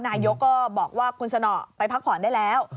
นายกก็บอกว่าคุณสนอไปพักผ่อนได้แล้ว